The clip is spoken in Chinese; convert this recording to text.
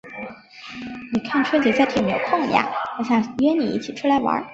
你春节假期有没有空呀？我想约你一起出来玩。